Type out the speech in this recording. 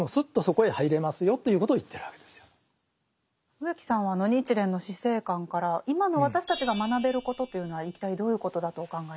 植木さんは日蓮の死生観から今の私たちが学べることというのは一体どういうことだとお考えですか？